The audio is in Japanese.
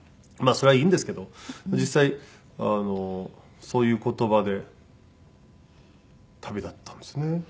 まあそれはいいんですけど実際あのそういう言葉で旅立ったんですね。